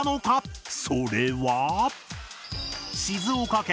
それは。